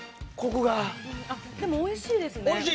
でもおいしいですね。